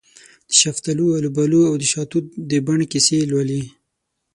دشفتالو، الوبالواودشاه توت د بڼ کیسې لولې